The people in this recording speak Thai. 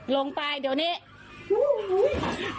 ลงไปเดี๋ยวนี้